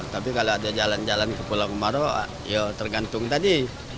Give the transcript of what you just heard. tapi kalau ada jalan jalan ke pulau kemarau ya tergantung tadi